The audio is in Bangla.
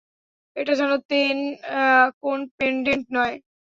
এটা যেন তেন কোন পেনডেন্ট নয়।